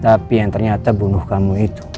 tapi yang ternyata bunuh kamu itu